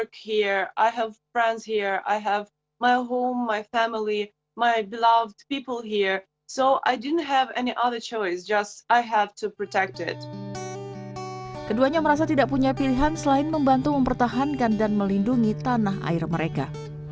keduanya merasa tidak punya pilihan selain membantu mempertahankan dan melindungi tanah air mereka